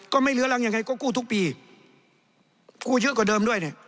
ไม่เหลือรังยังไงก็กู้ทุกปีกู้เยอะกว่าเดิมด้วยเนี่ย